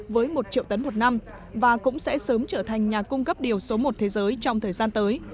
với một triệu tấn một năm và cũng sẽ sớm trở thành nhà cung cấp điều số một thế giới trong thời gian tới